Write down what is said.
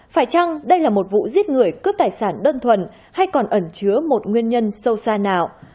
phải chăng đây là một vụ giết người cướp tài sản đơn thuần hay còn ẩn chứa một nguyên nhân sâu xa nào